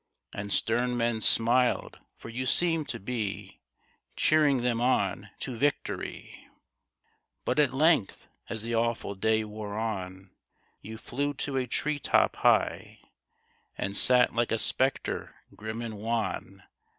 And stern men smiled, for you seemed to be Cheering them on to victory ! But at length, as the awful day wore on, You flew to a tree top high, And sat like a spectre grim and wan.